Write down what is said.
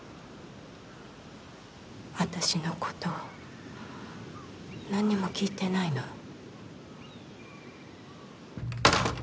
私のこと何にも聞いてないの？